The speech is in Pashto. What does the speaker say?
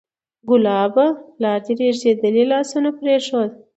کلابه! پلار دې رېږدېدلي لاسونه پرېښود